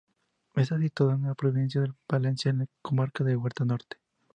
Está situado en la provincia de Valencia, en la comarca de la Huerta Norte.